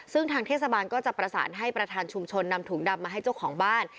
ซึ่งทางเทศบาลก็จะประสานให้ประธานชุมชนนำถุงดำมาให้เจ้าของบ้าน